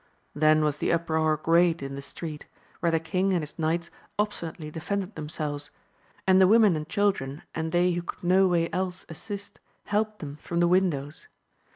Then was the uproar great in the street, where the king and his knights obstinately defended themselves ; and the women and children, and they who could no way else assist, helped them from the windows.